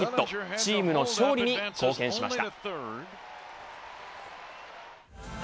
チームの勝利に貢献しました。